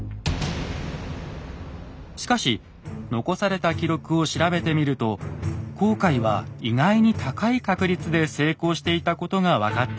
しかし残された記録を調べてみると航海は意外に高い確率で成功していたことが分かってきました。